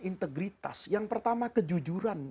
integritas yang pertama kejujuran